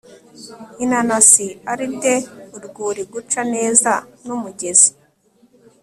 Inanasi alder urwuri guca neza numugezi